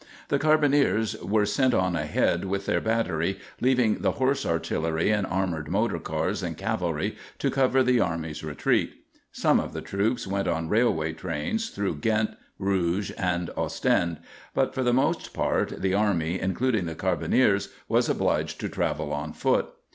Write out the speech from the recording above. The carbineers were sent on ahead with their battery, leaving the horse artillery and armoured motor cars and cavalry to cover the army's retreat. Some of the troops went on railway trains through Ghent, Bruges, and Ostend, but for the most part the army, including the carbineers, was obliged to travel on foot.